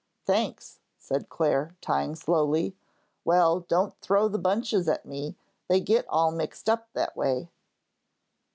"Thanks," said Clare, tying slowly. "Well, don't throw the bunches at me, they get all mixed up that way."